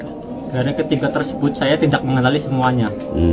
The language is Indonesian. dari ketiga tersebut saya tidak mengenali semuanya